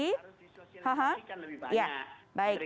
harus disosialisasikan lebih banyak